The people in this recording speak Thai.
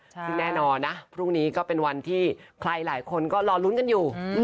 ซึ่งแน่นอนนะพรุ่งนี้ก็เป็นวันที่ใครหลายคนก็รอลุ้นกันอยู่